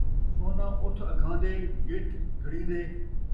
سونا اُتھ اگھان٘دے جتھ گھڑین٘دے